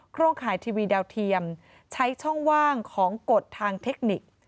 ร่ายทีวีดาวเทียมใช้ช่องว่างของกฎทางเทคนิค